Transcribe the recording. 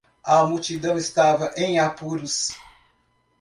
A multidão estava em apuros.